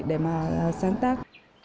để mà sáng tác